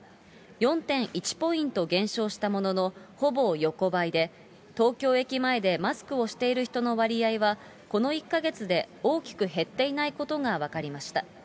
４．１ポイント減少したものの、ほぼ横ばいで、東京駅前でマスクをしている人の割合は、この１か月で大きく減っていないことが分かりました。